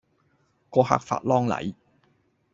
個客發哂狼戾